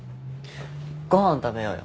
ご飯食べようよ。